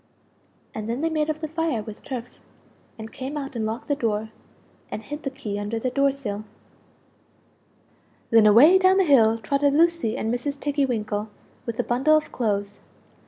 And then they made up the fire with turf, and came out and locked the door, and hid the key under the door sill. Then away down the hill trotted Lucie and Mrs. Tiggy winkle with the bundles of clothes!